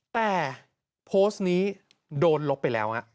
แต่โพสต์นี้โดนลบไปแล้ว